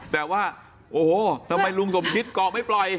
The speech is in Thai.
แต่ว่าโอ้โหทำไมลุงสมคิดเกาะไม่ปล่อย